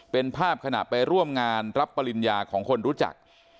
เป็นภาพขณะไปร่วมงานรับปริญญาของคนรู้จัก